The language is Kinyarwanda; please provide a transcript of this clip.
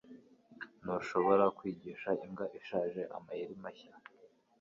Ntushobora kwigisha imbwa ishaje amayeri mashya